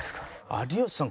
有吉さん